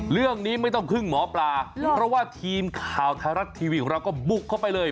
เรื่องนี้ไม่ต้องพึ่งหมอปลาเพราะว่าทีมข่าวไทยรัฐทีวีของเราก็บุกเข้าไปเลย